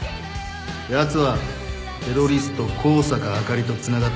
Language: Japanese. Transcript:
やつはテロリスト香坂朱里とつながっている。